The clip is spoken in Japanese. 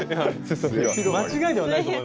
間違いではないと思いますけど。